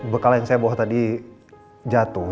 bekal yang saya bawa tadi jatuh